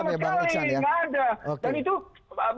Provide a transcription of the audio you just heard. nggak ada sama sekali nggak ada